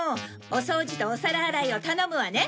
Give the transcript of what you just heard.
お掃除とお皿洗いを頼むわね。